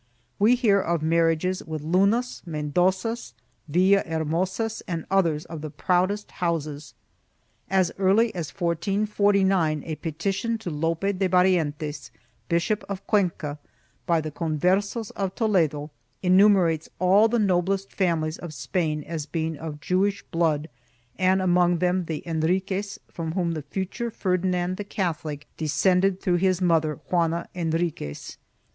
We hear of marriages with Lunas, Mendozas, Villahermosas and others of the proudest houses.2 As early as 1449 a petition to Lope de Barrientos, Bishop of Cuenca, by the Conversos of Toledo, enumerates all the noblest families of Spain as being of Jewish blood and among others the Henriquez, from whom the future Ferdinand the Catholic descended, through his mother Juana Henriquez.